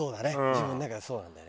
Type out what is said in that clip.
自分の中でそうなんだよね。